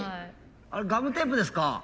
あれガムテープですか？